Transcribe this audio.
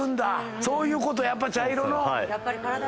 そういうことやっぱり茶色の。